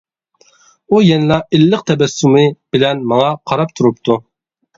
ئۇ يەنىلا ئىللىق تەبەسسۇمى بىلەن ماڭا قاراپ تۇرۇپتۇ.